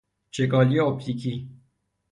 چگالی اپتیکی